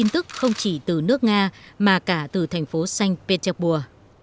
tức không chỉ từ nước nga mà cả từ thành phố sanh bí tích pua